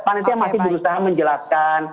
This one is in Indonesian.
panitia masih berusaha menjelaskan